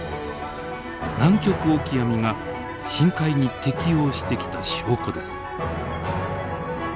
ナンキョクオキアミが深海に適応してきた証拠です。